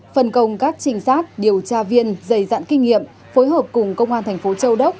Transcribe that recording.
phần công các trinh sát điều tra viên dày dạn kinh nghiệm phối hợp cùng công an thành phố châu đốc